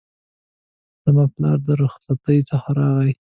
زما پلار له رخصتی څخه راغی